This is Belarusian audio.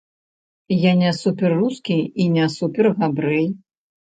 Я не супер-рускі і не супер-габрэй.